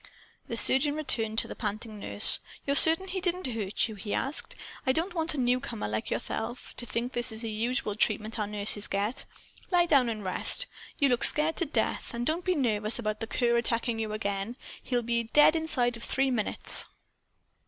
The surgeon turned to the panting nurse. "You're certain he didn't hurt you?" he asked. "I don't want a newcomer, like yourself, to think this is the usual treatment our nurses get. Lie down and rest. You look scared to death. And don't be nervous about the cur attacking you again. He'll be dead inside of three minutes."